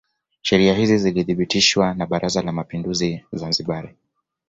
Sheria hizi zilithibitishwa na Baraza la Mapinduzi Zanzibar